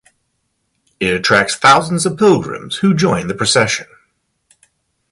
It attracts thousands of pilgrims who join the procession.